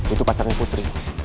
itu pacarnya putri